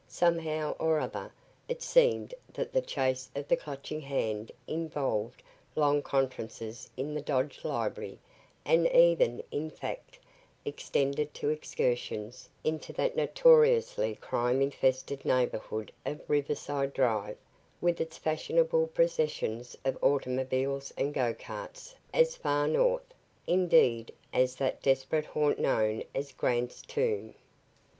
Somehow or other, it seemed that the chase of the Clutching Hand involved long conferences in the Dodge library and even, in fact, extended to excursions into that notoriously crime infested neighborhood of Riverside Drive with its fashionable processions of automobiles and go carts as far north, indeed, as that desperate haunt known as Grant's Tomb.